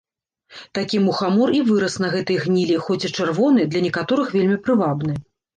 Такі мухамор і вырас на гэтай гнілі, хоць і чырвоны, для некаторых вельмі прывабны.